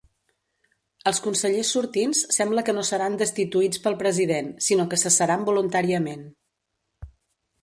Els consellers sortints sembla que no seran destituïts pel president, sinó que cessaran voluntàriament.